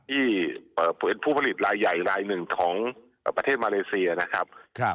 ที่เปิดเผยผู้ผลิตรายใหญ่รายหนึ่งของประเทศมาเลเซียนะครับ